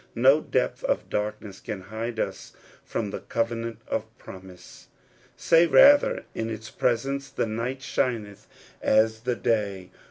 No depth of darkness can hide us from the covenant of promise ; say, rather, in its presence the night shineth as the day.